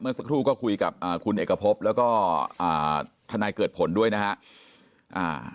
เมื่อสักครู่ก็คุยกับคุณเอกพบแล้วก็ธนายเกิดผลด้วยนะครับ